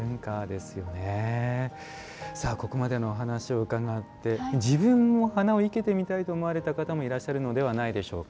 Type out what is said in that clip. ここまでお話を伺って自分も花を生けてみたいと思われた方もいらっしゃるのではないでしょうか。